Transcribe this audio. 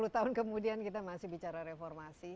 tiga puluh tahun kemudian kita masih bicara reformasi